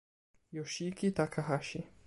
Yoshiki Takahashi